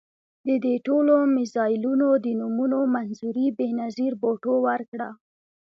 د دې ټولو میزایلونو د نومونو منظوري بېنظیر بوټو ورکړه.